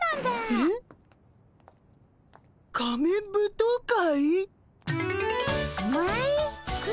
えっ？仮面舞踏会？